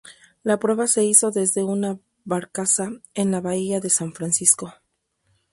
La prueba se hizo desde una barcaza en la bahía de San Francisco.